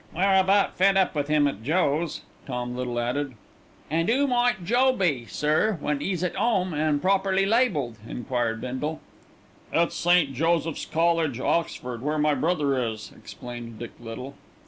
"We're about fed up with him at Joe's," Tom Little added. "An' 'oo might Joe be, sir, when 'e's at 'ome, an' properly labelled?" enquired Bindle. "It's St. Joseph's College, Oxford, where my brother is," explained Dick Little.